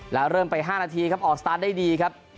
แล้วเริ่มไป๕นาทีครับออกสตาร์ทได้ดีครับ